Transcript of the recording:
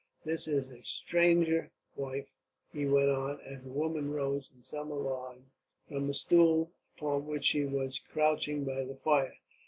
"This is a stranger, wife," he went on, as a woman rose, in some alarm, from a stool upon which she was crouching by the fire.